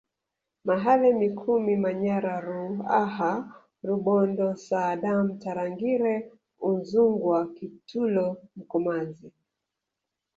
Mahale Mikumi Manyara Ruaha Rubondo saadan Tarangire Udzungwa Kitulo Mkomazi